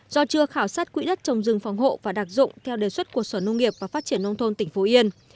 do chưa khảo sát quỹ đất trồng rừng phòng hộ và đặc dụng theo đề xuất của sở nông nghiệp và phát triển nông thôn tỉnh phú yên